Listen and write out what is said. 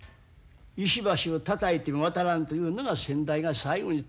「石橋をたたいても渡らん」というのが先代が最後に達した江坂の商法だす。